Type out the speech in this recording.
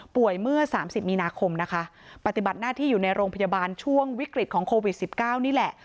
เมื่อ๓๐มีนาคมนะคะปฏิบัติหน้าที่อยู่ในโรงพยาบาลช่วงวิกฤตของโควิด๑๙นี่แหละ